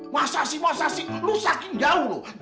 masa sih masa sih lo saking jauh lo